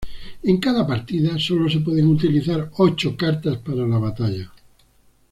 En cada partida solo se pueden utilizar ocho cartas para la batalla.